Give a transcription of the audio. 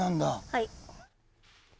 はい。